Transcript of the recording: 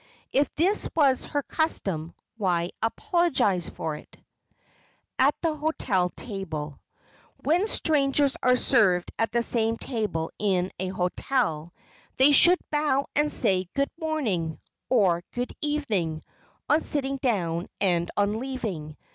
If this was her custom, why apologize for it? [Sidenote: AT THE HOTEL TABLE] When strangers are served at the same table in a hotel, they should bow and say "Good morning" or "Good evening," on sitting down and on leaving.